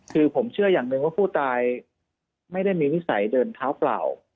คือผมเชื่ออย่างหนึ่งว่าผู้ตายไม่ได้มีนิสัยเดินเท้าเปล่า